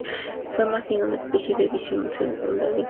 Fue más bien una especie de edición segunda en importancia.